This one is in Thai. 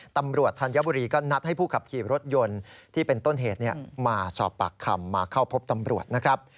ธัญบุรีก็นัดให้ผู้ขับขี่รถยนต์ที่เป็นต้นเหตุมาสอบปากคำมาเข้าพบตำรวจนะครับ